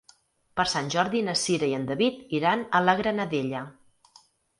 Per Sant Jordi na Cira i en David iran a la Granadella.